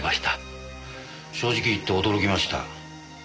正直言って驚きました。